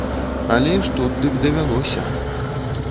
Але ж тут дык давялося.